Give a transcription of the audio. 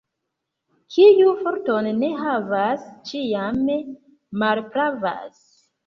Kiu forton ne havas, ĉiam malpravas.